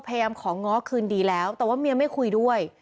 พยายามของง้อคืนดีแล้วแต่ว่าเมียไม่คุยด้วย